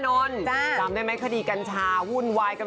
ก็ยังอุบไม่นอนยังไม่เฉลยนะครับ